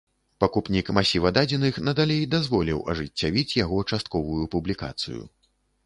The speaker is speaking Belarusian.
Пакупнік масіва дадзеных надалей дазволіў ажыццявіць яго частковую публікацыю.